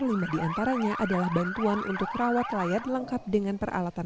lima di antaranya adalah bantuan untuk rawat layak lengkap dengan peralatan